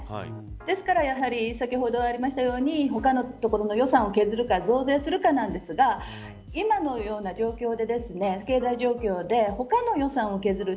ですからやはり先ほどありましたように他のところの予算を削るか増税するかなんですが今のような状況で他の予算を削る